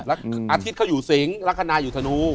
แล้วอาทิตย์เขาอยู่สิงศ์ลักษณะอยู่ธนู